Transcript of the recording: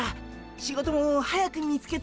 仕事も早く見つけて。